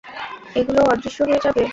এগুলোও অদৃশ্য হয়ে যাবে?